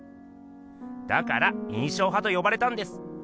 だから「印象派」と呼ばれたんです。